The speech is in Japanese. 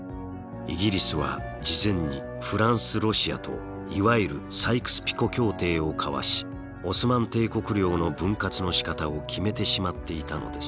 イギリスは事前にフランスロシアといわゆるサイクス・ピコ協定を交わしオスマン帝国領の分割のしかたを決めてしまっていたのです。